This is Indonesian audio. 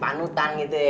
panutan gitu ya